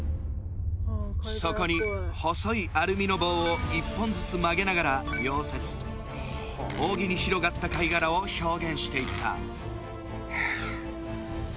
そこに細いアルミの棒を１本ずつ曲げながら溶接扇に広がった貝殻を表現していった